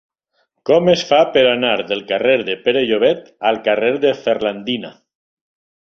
Com es fa per anar del carrer de Pere Llobet al carrer de Ferlandina?